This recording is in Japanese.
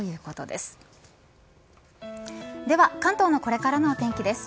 では関東のこれからのお天気です。